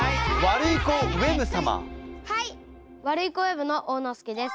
ワルイコウェブのおうのすけです。